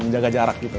menjaga jarak gitu